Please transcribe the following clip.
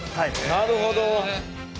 なるほど。